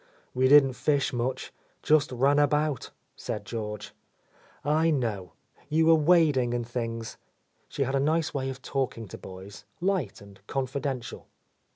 "We didn't fish much. Just ran about," said George. "I know I You were wading and things." She had a nice way of talking to boys, light and confidential.